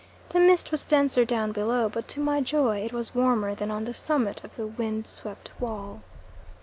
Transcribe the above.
The mist was denser down below, but to my joy it was warmer than on the summit of the wind swept wall.